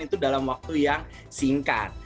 itu dalam waktu yang singkat